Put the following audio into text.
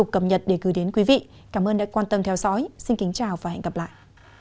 cảm ơn đã quan tâm theo dõi xin kính chào và hẹn gặp lại